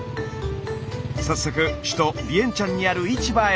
早速首都ビエンチャンにある市場へ。